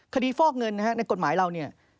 คดีฟอกเงินในกฎหมายเราเนี่ย